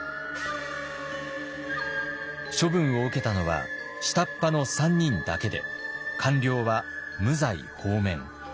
処分を受けたのは下っ端の３人だけで官僚は無罪放免。